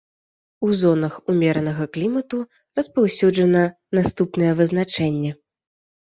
У зонах умеранага клімату распаўсюджана наступнае вызначэнне.